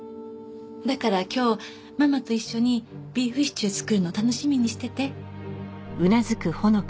だから今日ママと一緒にビーフシチュー作るの楽しみにしてて。